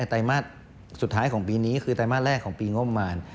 ไตรมาสสุดท้ายของปีนี้คือไตรมาสแรกของปีงบประมาณ